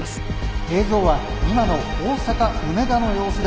「映像は今の大阪・梅田の様子です。